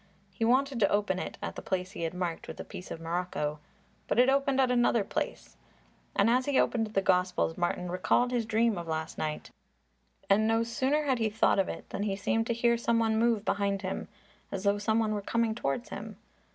He wanted to open it at the place he had marked with a piece of morocco, but it opened at another place. And as he opened the Gospels Martin recalled his dream of last night. And no sooner had he thought of it than he seemed to hear some one move behind him, as though some one were coming towards him.